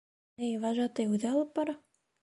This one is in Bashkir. Ни, вожатый үҙе алып бара!